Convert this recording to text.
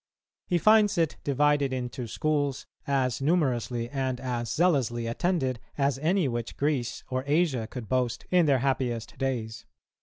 He finds it divided into schools, as numerously and as zealously attended as any which Greece or Asia could boast in their happiest days.